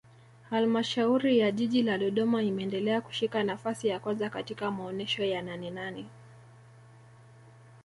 Halmashauri ya Jiji la Dodoma imeendelea kushika nafasi ya kwanza katika maonesho ya Nanenane